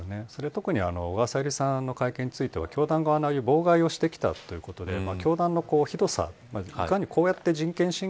特に小川さゆりさんの会見については教団側が妨害をしてきたということで教団側のひどさ。